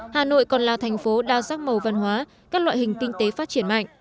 hà nội còn là thành phố đa sắc màu văn hóa các loại hình kinh tế phát triển mạnh